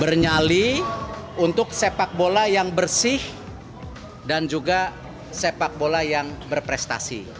bernyali untuk sepak bola yang bersih dan juga sepak bola yang berprestasi